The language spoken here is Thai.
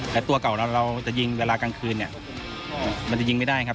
แต่ตัวเก่าเราจะยิงเวลากลางคืนเนี่ยมันจะยิงไม่ได้ครับ